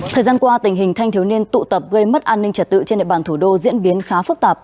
thời gian qua tình hình thanh thiếu niên tụ tập gây mất an ninh trật tự trên địa bàn thủ đô diễn biến khá phức tạp